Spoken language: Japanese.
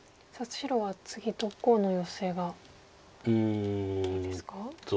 白は次どこのヨセが大きいですか？